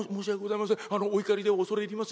お怒りで恐れ入ります。